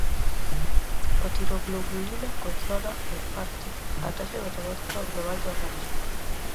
A tiroglobulina controla, en parte, a taxa metabólica global do organismo.